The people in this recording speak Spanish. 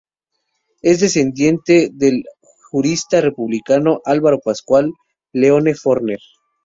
Es descendiente del jurista republicano Álvaro Pascual-Leone Forner.